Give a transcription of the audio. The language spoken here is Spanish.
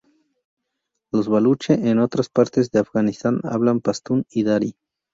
Los baluchi en otras partes de Afganistán hablan pastún y dari.